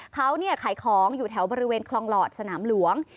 เขาขายของอยู่แถวบริเวณคลองหลอดสนามหลวง